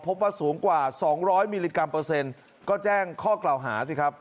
พบว่าสูงกว่า๒๐๐มิลลิกรัมเปอร์เซ็นต์ก็แจ้งข้อกล่าวหาสิครับ